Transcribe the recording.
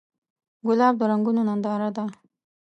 ګلاب د رنګونو ننداره ده.